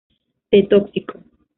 T Tóxico.